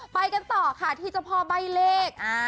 ไปกันต่อค่ะที่เจ้าพ่อใบ้เลข